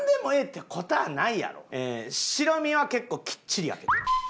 白身は結構きっちり焼けてる。